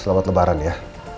selamat lebaran ya